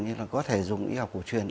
ví dụ như là có thể dùng y học cổ truyền